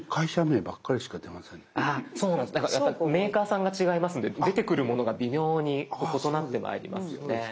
だからやっぱメーカーさんが違いますので出てくるものが微妙に異なってまいりますよね。